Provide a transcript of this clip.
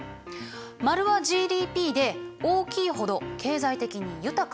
丸はＧＤＰで大きいほど経済的に豊かな国。